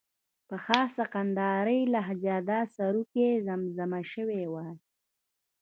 په خاصه کندارۍ لهجه دا سروکی زمزمه شوی وای.